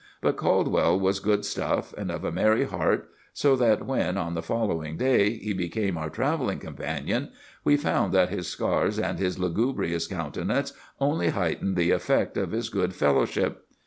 But Caldwell was good stuff, and of a merry heart; so that when, on the following day, he became our travelling companion, we found that his scars and his lugubrious countenance only heightened the effect of his good fellowship."